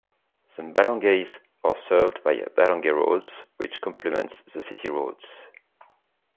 The barangays are served by barangay roads, which complements the city roads.